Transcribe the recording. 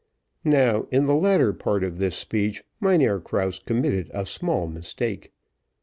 Now, in the latter part of this speech, Mynheer Krause committed a small mistake.